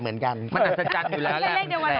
เออครับผม